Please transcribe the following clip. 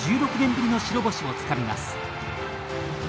１６年ぶりの白星をつかみます。